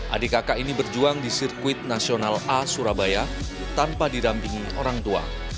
adik kakak ini berjuang di sirkuit nasional a surabaya tanpa didampingi orang tua